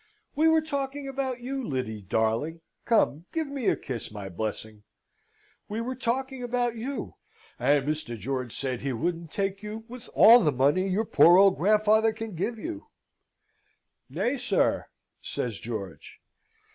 We were talking about you, Lyddy darling come, give me a kiss, my blessing! We were talking about you, and Mr. George said he wouldn't take you with all the money your poor old grandfather can give you." "Nay, sir," says George.